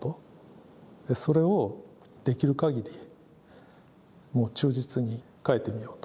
それをできるかぎりもう忠実に描いてみようと。